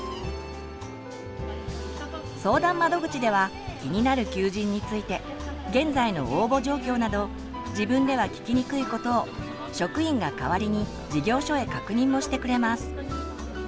相談窓口では気になる求人について現在の応募状況など自分では聞きにくいことを職員が代わりに事業所へ確認もしてくれます。